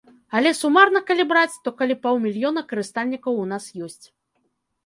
Але сумарна калі браць, то каля паўмільёна карыстальнікаў у нас ёсць.